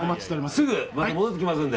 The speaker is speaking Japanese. すぐ戻ってきますので。